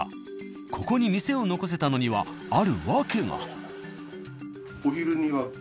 ここに店を残せたのにはある訳が。